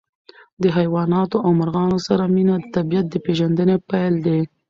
د حیواناتو او مرغانو سره مینه د طبیعت د پېژندنې پیل دی.